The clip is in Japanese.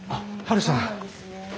ハルさん！